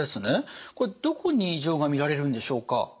これどこに異常が見られるんでしょうか。